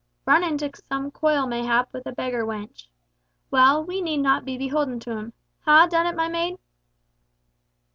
Run into some coil mayhap with a beggar wench! Well, we need not be beholden to him. Ha, Dennet, my maid!"